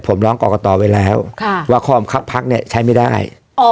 ผมร้องกอกกะตอว์ไว้แล้วค่ะว่าข้อมคับพรรคเนี้ยใช้ไม่ได้อ๋อ